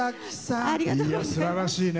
すばらしいね！